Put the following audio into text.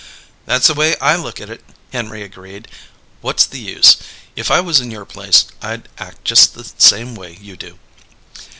"That's the way I look at it," Henry agreed. "What's the use? If I was in your place, I'd act just the same way you do."